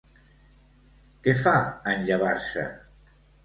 Què fa en llevar-se?